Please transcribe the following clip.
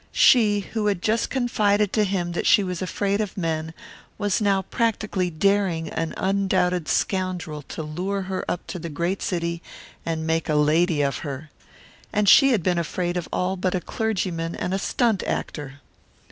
She, who had just confided to him that she was afraid of men, was now practically daring an undoubted scoundrel to lure her up to the great city and make a lady of her. And she had been afraid of all but a clergyman and a stunt actor!